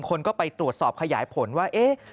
คนก็ไปตรวจสอบขยายผลว่าเอ๊ะ